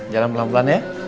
jalan pelan pelan ya